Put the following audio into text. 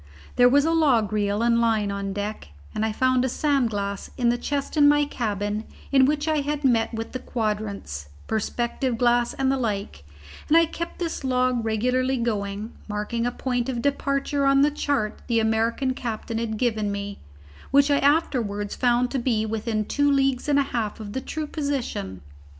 There was a log reel and line on deck, and I found a sand glass in the chest in my cabin in which I had met with the quadrants, perspective glass, and the like, and I kept this log regularly going, marking a point of departure on the chart the American captain had given me, which I afterwards found to be within two leagues and a half of the true position.